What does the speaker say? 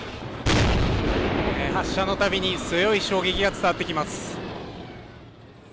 発射のたびに強い衝撃が伝わってきます。